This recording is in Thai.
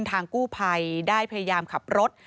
ทางกู้ภัยได้พยายามขับรถ